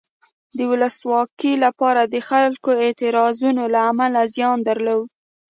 د ولسواکۍ لپاره د خلکو اعتراضونو له امله زیان درلود.